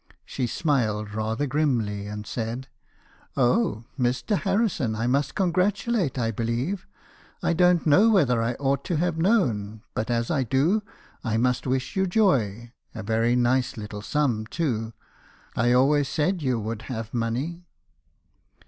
She smiled rather grimly, and said: "' Oh! Mr. Harrison I must congratulate, I believe. I don't know whether I ought to have known , but as 1 do , I must wish you joy. A very nice little sum , too. I always said you would have money.'